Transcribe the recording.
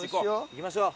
行きましょう。